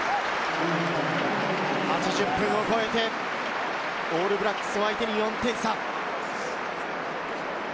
８０分を超えてオールブラックスを相手に４点差。